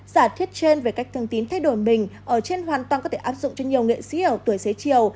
giả thiết trên về cách thường tín thay đổi mình ở trên hoàn toàn có thể áp dụng cho nhiều nghệ sĩ hiểu tuổi xế chiều